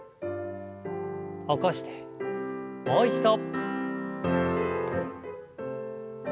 起こしてもう一度。